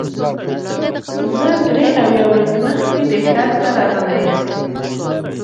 زه درې اویا ورځې مخکې دې ښار ته راغلی یم.